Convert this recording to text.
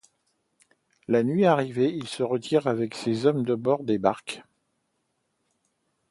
La nuit arrivée, il se retire avec ses hommes à bord des barques.